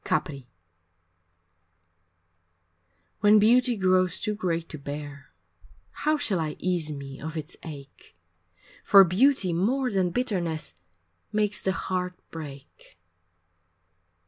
IV Capri When beauty grows too great to bear How shall I ease me of its ache, For beauty more than bitterness Makes the heart break.